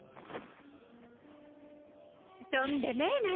そんでね